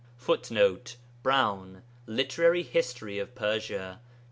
[Footnote: Browne, Literary History of Persia, ii.